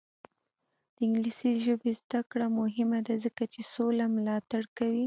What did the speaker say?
د انګلیسي ژبې زده کړه مهمه ده ځکه چې سوله ملاتړ کوي.